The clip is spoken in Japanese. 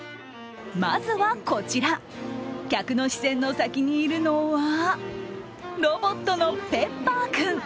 まずはこちら、客の視線の先にいるのはロボットのＰｅｐｐｅｒ君。